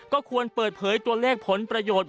ก็ควรเปิดเผยตัวเลขผลประโยชน์